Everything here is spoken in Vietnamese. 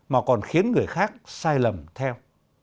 mà còn khiến người khác sai lầm theo